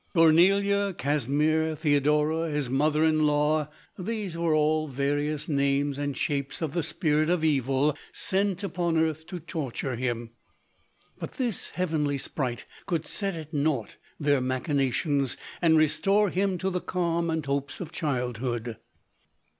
Cornelia, Casimir, Theodora, his mother in LODORE. 197 law, these wen all various names and shapes of the spirit of evil, sent upon earth to torture him : but this heavenly sprite could set at nought their machinations and restore him to the calm and hopes of childhood.